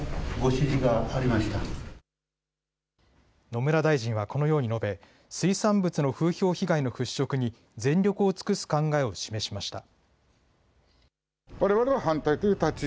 野村大臣はこのように述べ水産物の風評被害の払拭に全力を尽くす考えを示しました。